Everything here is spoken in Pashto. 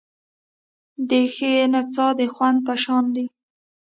د ښې نڅا د خوند په شان دی.